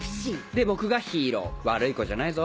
で僕がヒーロー悪い子じゃないぞ。